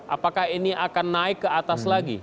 apakah ini akan naik ke atas lagi